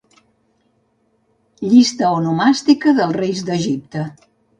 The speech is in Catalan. Llista onomàstica dels reis d'Egipte.